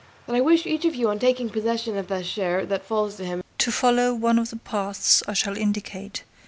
But I wish each of you on taking possession of the share that falls to him to follow one of the paths I shall indicate.